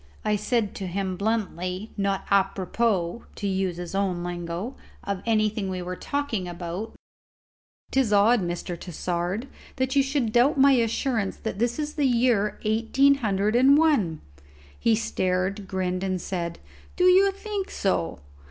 I said to him bluntly not apropos (to use his own lingo) of anything we were talking about, "'Tis odd, Mr. Tassard, you should doubt my assurance that this is the year eighteen hundred and one." He stared, grinned, and said, "Do you think so?"